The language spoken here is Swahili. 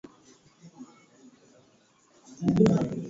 vyama vya wafanyakazi kuungana ili kufanya mgomo